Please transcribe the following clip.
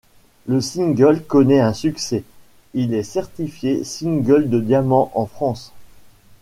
Le single connait un succès, il est certifié single de diamant en France.